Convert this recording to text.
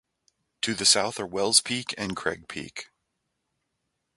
To the south are Wells Peak and Craig Peak.